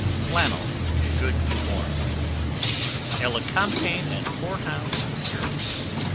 Flannel should be worn. Elecampane and Hoarhound Syrup.